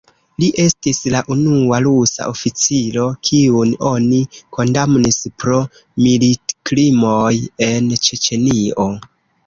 Li estis la unua rusa oficiro, kiun oni kondamnis pro militkrimoj en Ĉeĉenio.